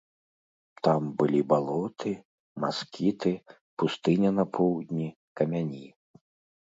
Там былі балоты, маскіты, пустыня на поўдні, камяні.